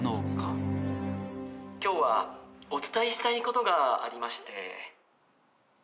☎今日はお伝えしたいことがありまして。